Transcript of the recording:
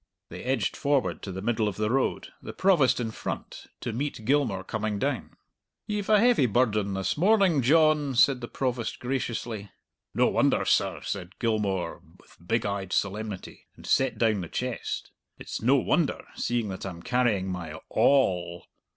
They edged forward to the middle of the road, the Provost in front, to meet Gilmour coming down. "Ye've a heavy burden this morning, John," said the Provost graciously. "No wonder, sir," said Gilmour, with big eyed solemnity, and set down the chest; "it's no wonder, seeing that I'm carrying my a all."